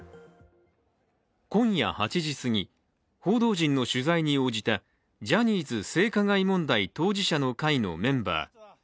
今夜８時すぎ、報道陣の取材に応じたジャニーズ性加害問題当事者の会のメンバー。